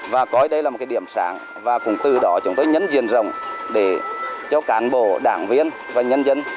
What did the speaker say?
và có đây là một cái điểm sáng và cùng từ đó chúng tôi nhấn diện rộng để cho cán bộ đảng viên và nhân dân